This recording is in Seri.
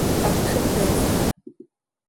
¡Hacx ihpeesxö!